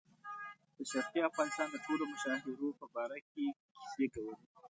د شرقي افغانستان د ټولو مشاهیرو په باره کې کیسې کولې.